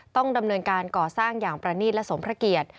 ต้องดำเนินการก่อสร้างอย่างประนีตและสมพระเกียรติ